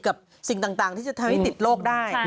กับสิ่งต่างที่จะทำให้ติดโรคได้